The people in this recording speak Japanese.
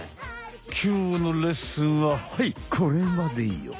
きょうのレッスンははいこれまでよ。